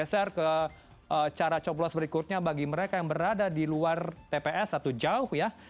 saya ke cara coblos berikutnya bagi mereka yang berada di luar tps atau jauh ya